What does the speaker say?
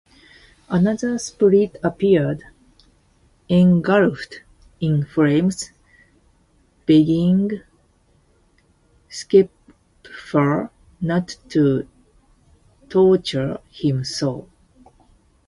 Another spirit appeared engulfed in flames begging Schrepfer not to torture him so.